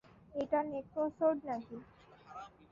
এটা নেক্রোসোর্ড নাকি?